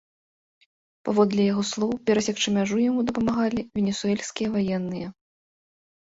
Паводле яго слоў, перасекчы мяжу яму дапамаглі венесуэльскія ваенныя.